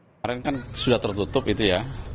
kemarin kan sudah tertutup itu ya